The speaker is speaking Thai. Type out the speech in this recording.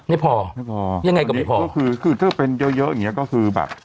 ไม่พอไม่พอยังไงก็ไม่พอก็คือคือถ้าเป็นเยอะเยอะอย่างเงี้ก็คือแบบ